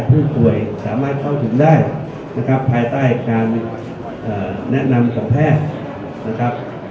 ผู้ป่วยสามารถเข้าถึงได้ภายใต้การแนะนำของแพทย์